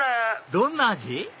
どんな味？